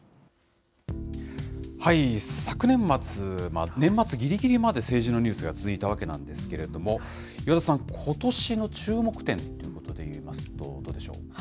昨年末、年末ぎりぎりまで政治のニュースが続いたわけなんですけれども、岩田さん、ことしの注目点ということでいいますと、どうでしょう？